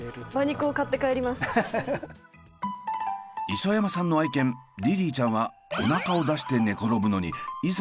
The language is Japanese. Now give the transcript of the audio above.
磯山さんの愛犬リリーちゃんはおなかを出して寝転ぶのにいざ